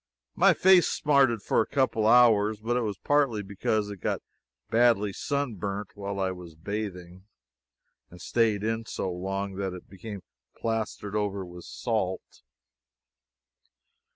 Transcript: My face smarted for a couple of hours, but it was partly because I got it badly sun burned while I was bathing, and staid in so long that it became plastered over with salt.